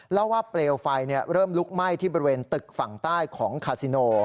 เล่าว่าเปลวไฟเริ่มลุกไหม้ที่บริเวณตึกฝั่งใต้ของคาซิโน